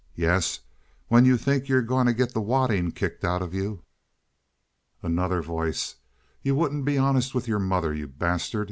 "Yes, when you think you're going to get the wadding kicked out of you." Another Voice. "You wouldn't be honest with your mother, you bastard.